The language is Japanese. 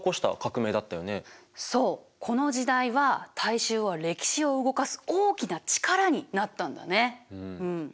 そうこの時代は大衆は歴史を動かす大きな力になったんだね。